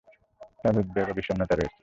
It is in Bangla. তার উদ্বেগ এবং বিষণ্নতা রয়েছে।